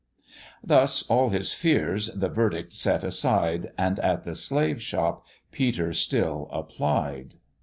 Thus all his fears the verdict set aside, And at the slave shop Peter still applied.